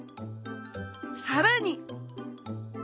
さらに！